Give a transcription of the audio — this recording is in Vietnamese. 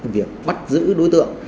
việc bắt giữ đối tượng